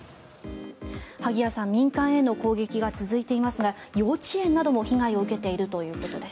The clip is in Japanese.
萩谷さん、民間への攻撃が続いていますが幼稚園なども被害を受けているということです。